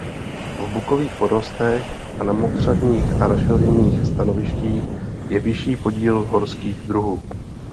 V bukových porostech a na mokřadních a rašelinných stanovištích je vyšší podíl horských druhů.